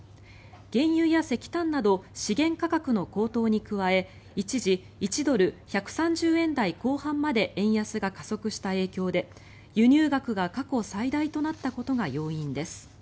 原油や石炭など資源価格の高騰に加え一時１ドル＝１３０円台後半まで円安が加速した影響で輸入額が過去最大となったことが要因です。